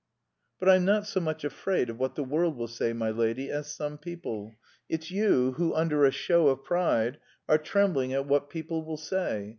"But I'm not so much afraid of what the world will say, my lady, as some people. It's you who, under a show of pride, are trembling at what people will say.